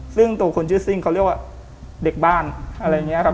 ซึ่งตัวคนชื่อซิ่งเขาเรียกว่าเด็กบ้านอะไรอย่างนี้ครับ